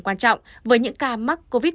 quan trọng với những ca mắc covid một mươi chín